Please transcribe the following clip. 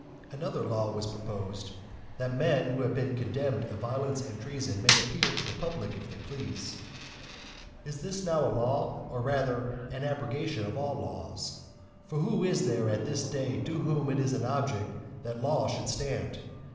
IX. Another law was proposed, that men who had been condemned of violence and treason may appeal to the public if they please. Is this now a law, or rather an abrogation of all laws? For who is there at this day to whom it is an object that that law should stand?